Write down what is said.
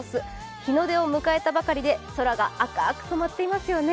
日の出を迎えたばかりで、空が赤く染まっていますよね。